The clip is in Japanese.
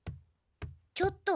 ちょっと。